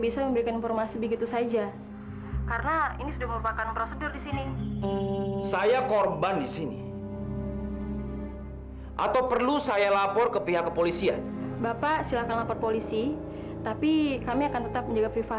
sampai jumpa di video selanjutnya